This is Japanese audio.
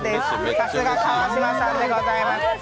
さすが川島さんでございます。